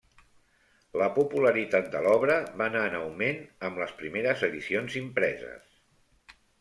La popularitat de l'obra va anar en augment amb les primeres edicions impreses.